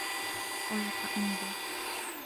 قُمْ فَأَنذِرْ